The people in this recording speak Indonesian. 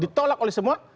ditolak oleh semua